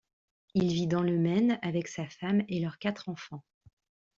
Il vit dans le Maine avec sa femme et leurs quatre enfants.